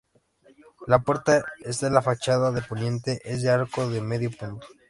La puerta está en la fachada de poniente, es de arco de medio punto.